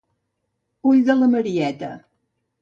Ull de la Marieta.